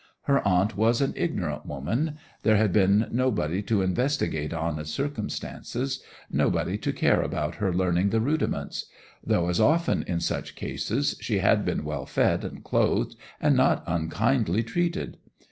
Her aunt was an ignorant woman; there had been nobody to investigate Anna's circumstances, nobody to care about her learning the rudiments; though, as often in such cases, she had been well fed and clothed and not unkindly treated.